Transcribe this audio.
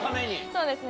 そうですね。